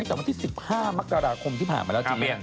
ตั้งแต่วันที่๑๕มกราคมที่ผ่านมาแล้วจริง